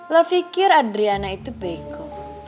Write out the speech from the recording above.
lo fikir adriana itu bego